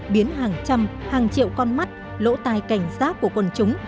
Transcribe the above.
biến hàng trăm hàng triệu con mắt lỗ tai cảnh giác của quần chúng